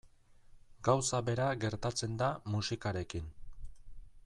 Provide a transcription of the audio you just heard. Gauza bera gertatzen da musikarekin.